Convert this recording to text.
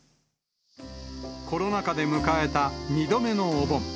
コロナ禍で迎えた２度目のお盆。